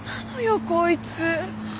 こいつ。